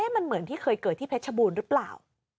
มันเหมือนที่เคยเกิดที่เพชรบูรณ์หรือเปล่า